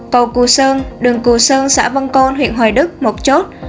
cầu cù sơn đường cù sơn xã vân côn huyện hoài đức một chốt